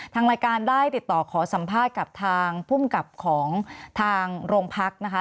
ทางรายการได้ติดต่อขอสัมภาษณ์กับทางภูมิกับของทางโรงพักนะคะ